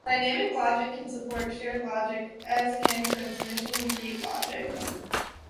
Dynamic logic can support shared logic, as can transmission gate logic.